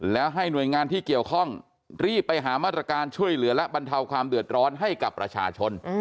แล้วให้หน่วยงานที่เกี่ยวข้องรีบไปหามาตรการช่วยเหลือและบรรเทาความเดือดร้อนให้กับประชาชน